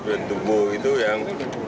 genderuwo itu yang